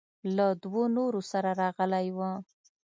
له دوو نورو سره راغلى و.